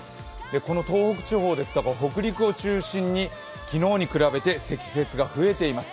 この東北地方ですとか北陸を中心に、昨日に比べて積雪が増えています。